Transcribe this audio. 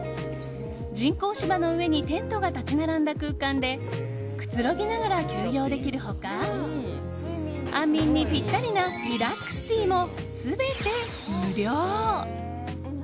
人工芝の上にテントが立ち並んだ空間でくつろぎながら休養できる他安眠にピッタリなリラックスティーも全て無料。